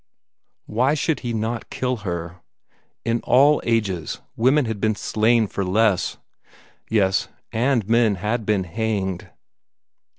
Why should he not kill her? In all ages, women had been slain for less. Yes and men had been hanged.